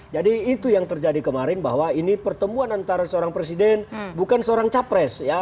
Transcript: jadi itu yang terjadi kemarin bahwa ini pertemuan antara seorang presiden bukan seorang capres